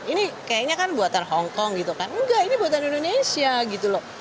ini kayaknya kan buatan hongkong gitu kan enggak ini buatan indonesia gitu loh